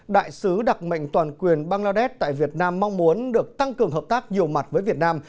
đại sứ đặc mệnh toàn quyền bangladesh tại việt nam mong muốn được tăng cường hợp tác nhiều mặt với việt nam